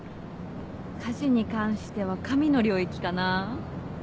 家事に関しては神の領域かな。